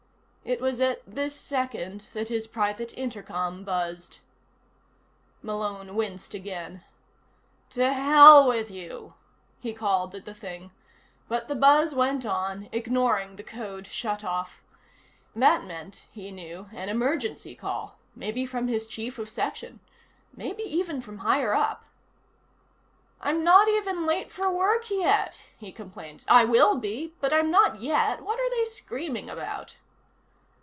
It was at this second that his private intercom buzzed. Malone winced again. "To hell with you," he called at the thing, but the buzz went on, ignoring the code shut off. That meant, he knew, an emergency call, maybe from his Chief of Section. Maybe even from higher up. "I'm not even late for work yet," he complained. "I will be, but I'm not yet. What are they screaming about?"